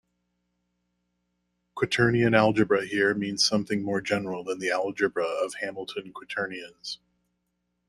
"Quaternion algebra" here means something more general than the algebra of Hamilton quaternions.